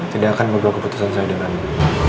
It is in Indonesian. tidak akan berbuat keputusan saya denganmu